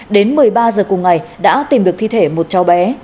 đến một mươi ba h cùng ngày đã tìm được thi thể một cháu bé